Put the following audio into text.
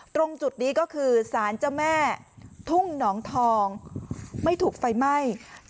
ตรงจุดนี้ก็คือสารเจ้าแม่ทุ่งหนองทองไม่ถูกไฟไหม้